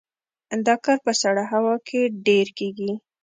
دا کار په سړه هوا کې ډیر کیږي